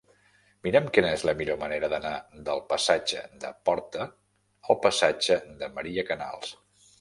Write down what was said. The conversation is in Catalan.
Mira'm quina és la millor manera d'anar del passatge de Porta al passatge de Maria Canals.